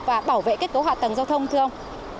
và bảo vệ kết cấu hạ tầng giao thông thưa ông